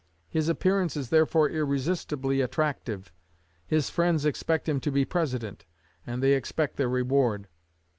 His appearance is therefore irresistibly attractive. His friends expect him to be President, and they expect their reward.